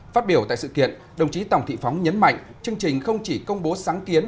phát biểu tại sự kiện đồng chí tòng thị phóng nhấn mạnh chương trình không chỉ công bố sáng kiến